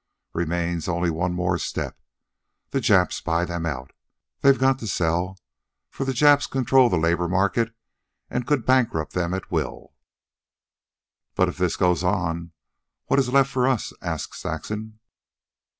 Remains only one more step. The Japs buy them out. They've got to sell, for the Japs control the labor market and could bankrupt them at will." "But if this goes on, what is left for us?" asked Saxon.